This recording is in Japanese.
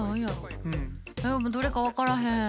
えでもどれか分からへん。